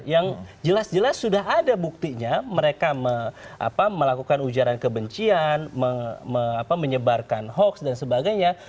yang jelas jelas sudah ada buktinya mereka melakukan ujaran kebencian menyebarkan hoax dan sebagainya